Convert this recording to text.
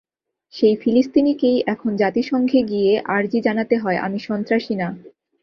সেই ফিলিস্তিনকেই এখন জাতিসংঘে গিয়ে আরজি জানাতে হয়, আমি সন্ত্রাসী না।